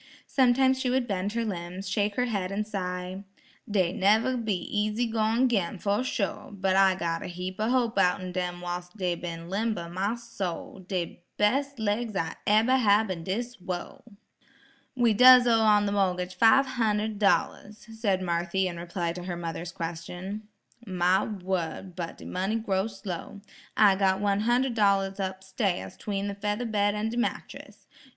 Sometimes she would bend her limbs, shake her head and sigh, "Dey neber be easy goin' 'gin, fuh sho', but I got a heap o' hope outen dem whilst dey ben limber, my soul; de bes' laigs I'll eber hab in dis wurl." "We does owe on the mor'gage five hundred dollars," said Marthy in reply to her mother's question. "My wurd, but de money grow slow; I got one hunder' dollars up stairs 'tween the feather bed an' de mattress.